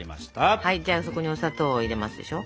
はいじゃあそこにお砂糖を入れますでしょ。